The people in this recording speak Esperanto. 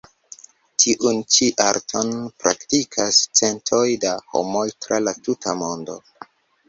Tiun ĉi arton praktikas centoj da homoj tra la tuta mondo.